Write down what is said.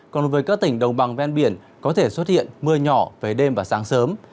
còn với các tỉnh đồng bằng ven biển có thể xuất hiện mưa nhỏ về đêm và sáng sớm